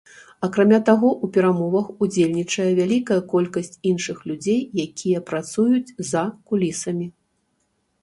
Акрамя таго, у перамовах удзельнічае вялікая колькасць іншых людзей, якія працуюць за кулісамі.